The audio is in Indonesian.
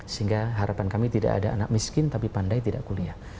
sehingga harapan kami tidak ada anak miskin tapi pandai tidak kuliah